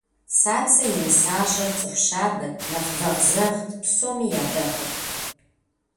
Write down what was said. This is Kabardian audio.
Цацэ и нысащӏэр цӏыху щабэт, нэхъ вэгъзэгът, псоми ядэхъурт.